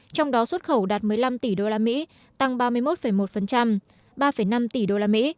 trong đó xuất khẩu đạt một mươi năm tỷ usd tăng ba mươi một một ba năm tỷ usd